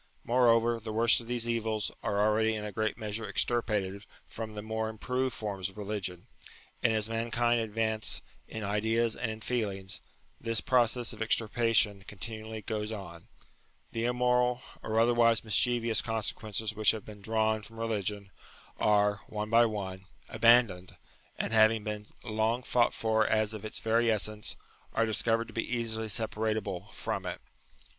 Moreover, the worst of these evils are already in a great measure extirpated from the more im proved forms of religion; and as mankind advance in ideas and in feelings, this process of extirpation continually goes on : the immoral, or otherwise mis chievous consequences which have been drawn from religion, are, one by one, abandoned, and, after having been long fought for as of its very essence, are dis covered to be easily separable from it.